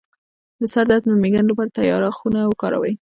د سر درد د میګرین لپاره تیاره خونه وکاروئ